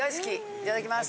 いただきます。